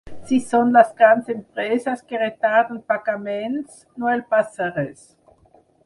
Si són les grans empreses que retarden pagaments, no els passa res.